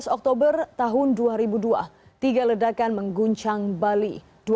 dua belas oktober tahun dua ribu dua tiga ledakan mengguncang bali